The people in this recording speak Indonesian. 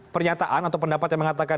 pernyataan atau pendapat yang mengatakan